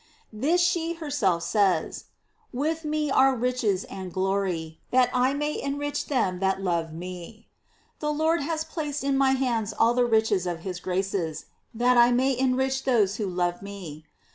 * This she herself says: " With me are riches and glory ... that I may enrich them that love me."f The Lord has placed in my hand all the riches of his graces, that I may en rich those who love me.